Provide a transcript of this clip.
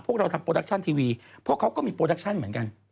พวกเราทำโปรดักชั่นทีวีพวกเขาก็มีโปรดักชั่นเหมือนกัน